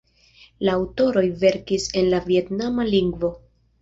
La aŭtoroj verkis en la vjetnama lingvo.